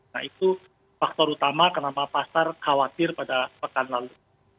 nah itu faktor utama kenapa pasar khawatir pada pekan lalu